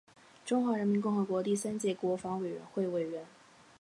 中华人民共和国第三届国防委员会委员。